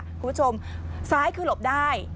คุณผู้ชมซ้ายคือหลบได้